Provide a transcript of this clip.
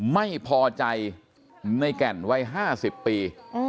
ไม่พอใจในแก่นวัยห้าสิบปี